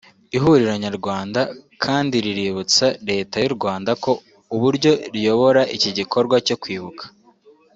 Ihuriro Nyarwanda kandi riributsa Leta y’ u Rwanda ko uburyo riyobora iki gikorwa cyo kwibuka